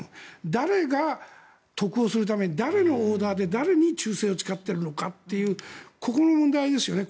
誰が得をするために誰のオーダーで誰に忠誠を誓っているのかっていうここの問題ですよね。